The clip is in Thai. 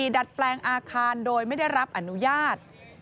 ดัดแปลงอาคารโดยไม่ได้รับอนุญาต